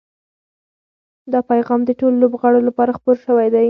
دا پیغام د ټولو لوبغاړو لپاره خپور شوی دی.